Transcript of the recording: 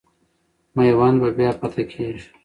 میوند به بیا فتح کېږي.